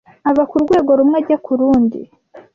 ava ku rwego rumwe ajya ku rundi.